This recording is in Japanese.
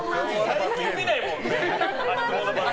最近見ないもんね。